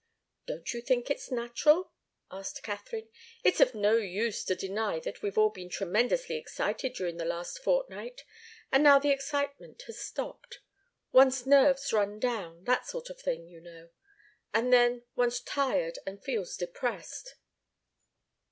"Don't you think it's natural?" asked Katharine. "It's of no use to deny that we've all been tremendously excited during the last fortnight, and now the excitement has stopped. One's nerves run down that sort of thing, you know and then one's tired and feels depressed."